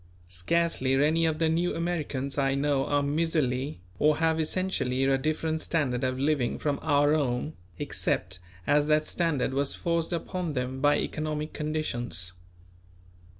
Scarcely any of the New Americans I know are miserly or have essentially a different standard of living from our own, except as that standard was forced upon them by economic conditions.